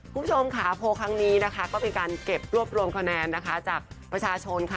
คุณผู้ชมค่ะโพลครั้งนี้นะคะก็เป็นการเก็บรวบรวมคะแนนนะคะจากประชาชนค่ะ